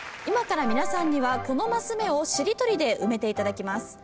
今から皆さんにはこのマス目をしりとりで埋めていただきます。